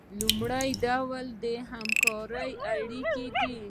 لومړی ډول د همکارۍ اړیکې دي.